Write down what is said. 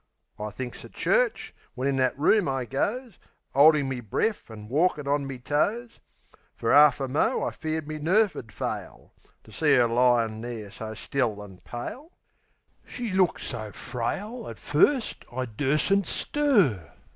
I thinks of church, when in that room I goes, 'Oldin' me breaf an' walkin' on me toes. Fer 'arf a mo' I feared me nerve 'ud fail To see 'er lying there so still an' pale. She looks so frail, at first, I dursn't stir.